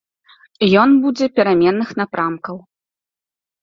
Ён будзе пераменных напрамкаў.